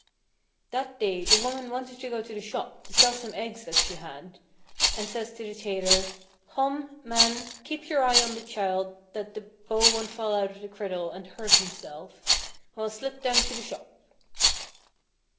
That day the woman wanted to go to the shop to sell some eggs that she had, and says she to the tailor: 'Hom, man, keep your eye on the chile that the bogh won't fall out of the criddle an' hurt himself, while I slip down to the shop.'